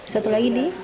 satu lagi di